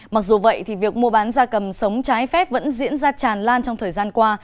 mặc dù vậy thì việc mua bán gia cầm sống trái phép vẫn diễn ra tràn lan trong thời gian qua